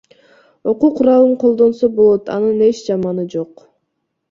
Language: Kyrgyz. Окуу куралын колдонсо болот, анын эч жаманы жок.